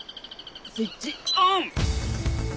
スイッチオン！